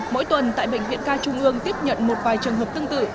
mỗi tuần tại bệnh viện ca trung ương tiếp nhận một vài trường hợp tương tự